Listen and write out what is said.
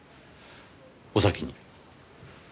お先に。